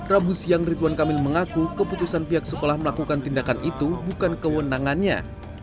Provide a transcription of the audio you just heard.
rabu siang ridwan kamil mengaku keputusan pihak sekolah melakukan tindakan itu bukan kewenangannya